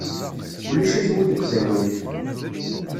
Ulac azwu deg tallunt.